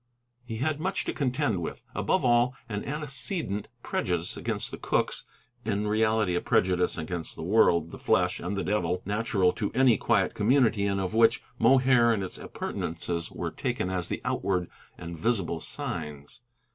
He had much to contend with; above all, an antecedent prejudice against the Cookes, in reality a prejudice against the world, the flesh, and the devil, natural to any quiet community, and of which Mohair and its appurtenances were taken as the outward and visible signs.